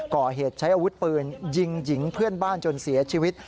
ก่อเหตุใช้อาวุธปืนยิงหญิงเพื่อนบ้านจนเสียชีวิต